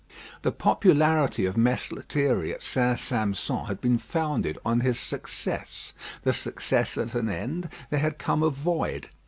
The popularity of Mess Lethierry at St. Sampson had been founded on his success. The success at an end, there had come a void.